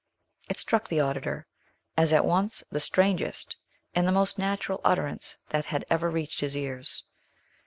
It struck the auditor as at once the strangest and the most natural utterance that had ever reached his ears.